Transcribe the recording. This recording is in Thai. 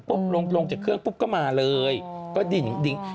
ลงลงจากเครื่องปุ๊บก็มาเลยก็ดิ่งดิ่ง